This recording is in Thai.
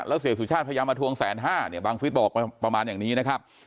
แล้วเสียสุชาติพยายามมาทวงแสนห้าเนี่ยบังฟิศบอกประมาณอย่างนี้นะครับ